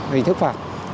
hình thức phản ứng